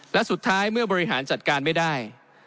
และสุดท้ายเมื่อบริหารจัดการไม่ได้